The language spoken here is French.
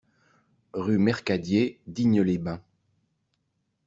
Rue Mercadier, Digne-les-Bains